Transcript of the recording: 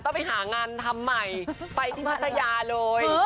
ไปหางานทำใหม่ไปที่พัทยาเลย